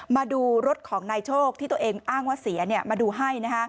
มาดูรถของนายโชคที่ตัวเองอ้างว่าเสียมาดูให้